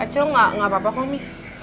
acil gak apa apa kok mi